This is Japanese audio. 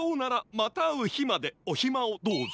またあうひまでおひまをどうぞ。